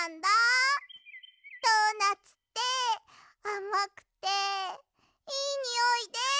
ドーナツってあまくていいにおいで。